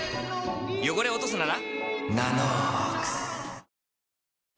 汚れを落とすなら？